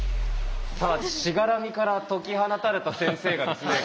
さあしがらみから解き放たれた先生がですね